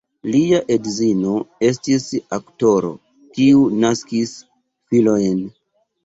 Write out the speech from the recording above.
Lia edzino estis aktoro, kiu naskis filojn.